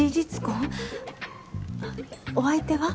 お相手は？